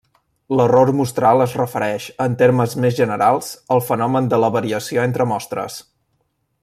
L'error mostral es refereix en termes més generals al fenomen de la variació entre mostres.